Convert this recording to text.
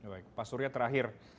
baik pak surya terakhir